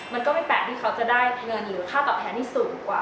มันก็ไม่แปลกที่เขาจะได้เงินหรือค่าตอบแทนที่สูงกว่า